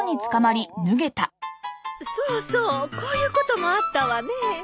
そうそうこういうこともあったわね。